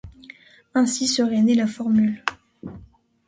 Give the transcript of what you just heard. Ainsi serait née la formule.